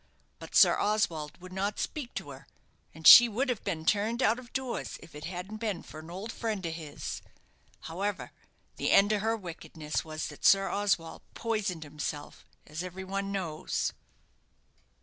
But Sir Oswald would not speak to her, and she would have been turned out of doors if it hadn't been for an old friend of his. However, the end of her wickedness was that Sir Oswald poisoned himself, as every one knows."